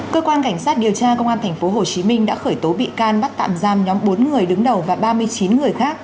cơ quan cảnh sát điều tra công an tp hcm đã khởi tố bị can bắt tạm giam nhóm bốn người đứng đầu và ba mươi chín người khác